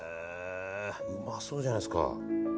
うまそうじゃないですか。